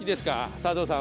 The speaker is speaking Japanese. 佐藤さん。